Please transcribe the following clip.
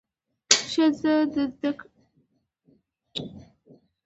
زده کړه ښځه د کورنۍ اقتصادي وضعیت ښه کوي.